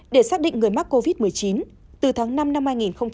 để xác định người mắc covid một mươi chín từ tháng năm năm hai nghìn hai mươi